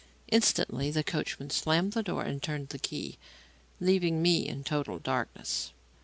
Instantly the coachman slammed the door and turned the key, leaving me in total darkness.